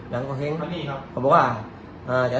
ยังก็แห้งเลย